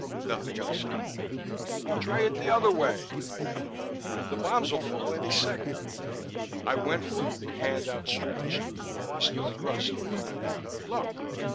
Nothing else happened. "Try it the other way," I yelled. "The bombs will fall any second " I went for it, hand outstretched. Foster thrust in front of me. "Look!"